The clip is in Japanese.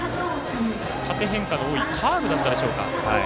縦変化の多いカーブだったでしょうか。